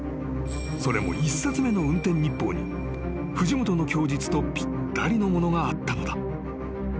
［それも１冊目の運転日報に藤本の供述とぴったりのものがあったのだ］